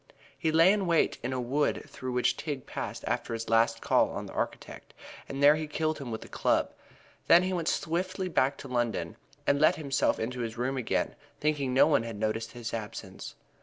He lay in wait in a wood through which Tigg passed after his last call on the architect, and there he killed him with a club. Then he went swiftly back to London and let himself into his room again, thinking no one had noticed his absence.